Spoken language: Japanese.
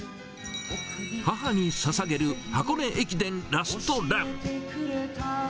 母にささげる箱根駅伝ラストラン。